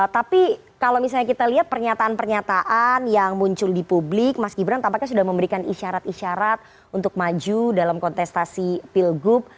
tapi kalau misalnya kita lihat pernyataan pernyataan yang muncul di publik mas gibran tampaknya sudah memberikan isyarat isyarat untuk maju dalam kontestasi pilgub